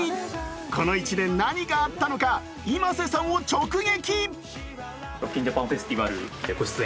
この１年、何があったのかｉｍａｓｅさんを直撃。